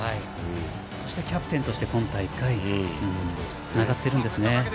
そして、キャプテンとして今大会、つながっているんですね。